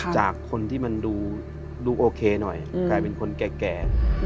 จากคนที่ดูโอเคหน่อยเป็นคนแก่